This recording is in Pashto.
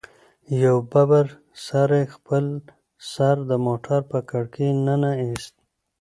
يوه ببر سري خپل سر د موټر په کړکۍ ننه ايست.